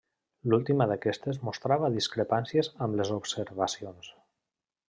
L'última d'aquestes mostrava discrepàncies amb les observacions.